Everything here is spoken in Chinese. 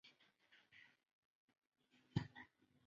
海伦娜区域机场为城市提供服务。